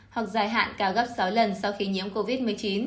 hoặc dài hạn cao gấp sáu lần sau khi nhiễm covid một mươi chín